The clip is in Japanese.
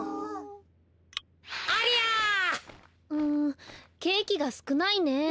んケーキがすくないね。